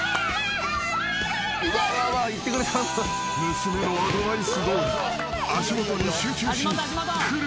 ［娘のアドバイスどおり足元に集中し来る